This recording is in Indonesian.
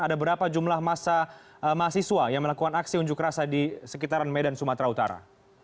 ada berapa jumlah masa yang melakukan aksi unjuk rasa di sekitaran medan sumatera utara